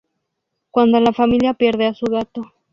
Cuando la familia pierde a su gato.